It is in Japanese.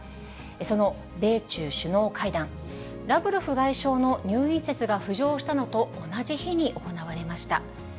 その米中首脳会談、ラブロフ外相の入院説が浮上したのと同じ日に行われました。